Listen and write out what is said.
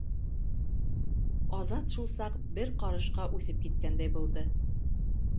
Азат шул саҡ бер ҡарышҡа үҫеп киткәндәй булды.